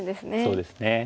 そうですね。